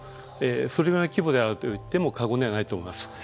それぐらいの規模であるといっても過言ではないと思います。